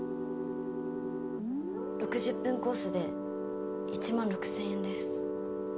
６０分コースで１万６０００円です。